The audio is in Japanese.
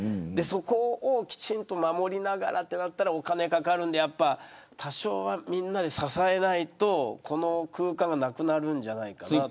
そこをきちんと守りながらとなるとお金がかかるので多少はみんなで支えないとこの空間がなくなるんじゃないかなと。